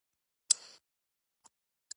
دومره ډېرې اسمانڅکي ودانۍ او هوټلونه دي.